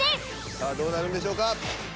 さあどうなるんでしょうか。